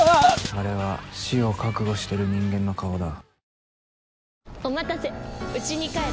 あれは死を覚悟してる人間の顔だ。